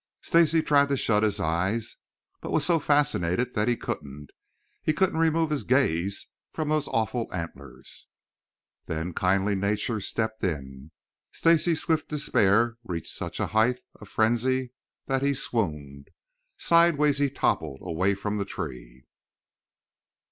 Stacy tried to shut his eyes, but was so fascinated that he couldn't. He couldn't remove his gaze from those awful antlers! Then kindly Nature stepped in. Stacy's swift despair reached such a height of frenzy that he swooned. Sideways he toppled, away from the tree.